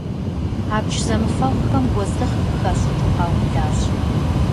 Абдж зэмыфэгъухэм уэздыгъэ къыхащӀыкӀыу къаублащ.